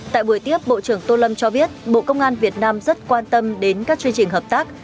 tại buổi tiếp bộ trưởng tô lâm cho biết bộ công an việt nam rất quan tâm đến các chương trình hợp tác